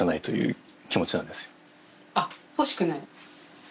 あっ欲しくない？